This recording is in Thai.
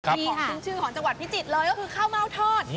ขึ้นชื่อของจังหวัดพิจิตรเลยก็คือข้าวเม่าทอด